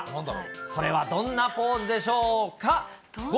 それはどんなポーズでしょうか。